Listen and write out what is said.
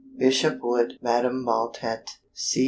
Bishop Wood, Madam Baltet, C.